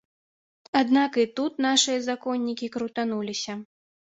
Аднак і тут нашыя законнікі крутануліся.